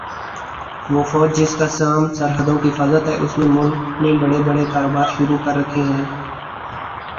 وہ فوج جس کا کام سرحدوں کی حفاظت ہے اس نے ملک میں بڑے بڑے کاروبار شروع کر رکھے ہیں